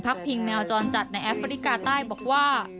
พิงแมวจรจัดในแอฟริกาใต้บอกว่า